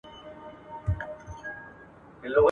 لکه خدای وي چاته نوی ژوند ورکړی !.